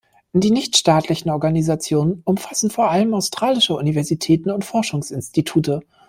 Die nichtstaatlichen Organisationen umfassen vor allem australische Universitäten und Forschungsinstitute.